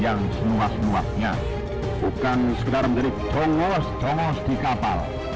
bangsa pelautan api yang semuanya bukan sekedar menerik tongos tongos di kapal